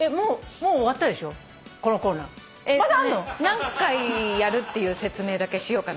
何回やるっていう説明だけしようかなと思って。